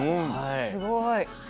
すごい。